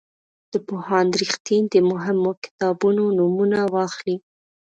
د پوهاند رښتین د مهمو کتابونو نومونه واخلئ.